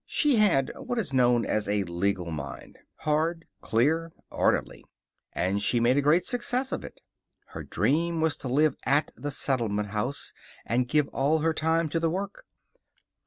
She had what is known as a legal mind hard, clear, orderly and she made a great success of it. Her dream was to live at the Settlement House and give all her time to the work.